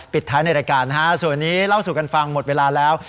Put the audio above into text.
ท้ายในรายการนะฮะส่วนนี้เล่าสู่กันฟังหมดเวลาแล้ว